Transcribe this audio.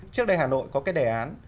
trước đây hà nội có cái đề án